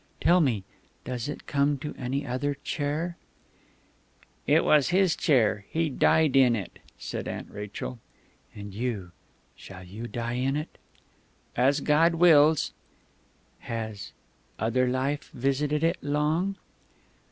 Tell me, does it come to any other chair?" "It was his chair; he died in it," said Aunt Rachel. "And you shall you die in it?" "As God wills." "Has ... other life ... visited it long?"